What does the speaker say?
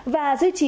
sáu chín và dư trì